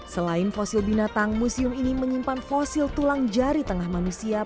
selain fosil binatang museum ini menyimpan fosil tulang jari tengah manusia